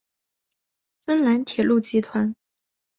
芬兰铁路集团。